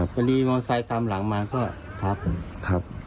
พัตดีมอไซด์ตามหลังมาก็ถับครับ